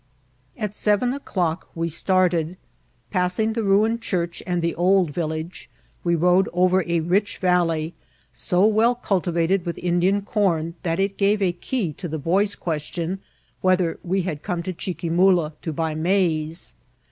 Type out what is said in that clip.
At seven o'clock we started. Passing the ruined diurch and the old village, we rode over a rich valley, so well cultivated with Indian com that it gave a key to the boy's question, Whether we had come to Chiqui mula to buy maize